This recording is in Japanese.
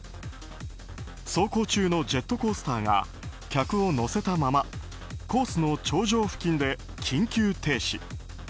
走行中のジェットコースターが客を乗せたままコースの頂上付近で緊急停止。